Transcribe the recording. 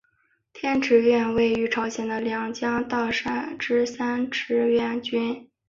天池院位于朝鲜的两江道之三池渊郡。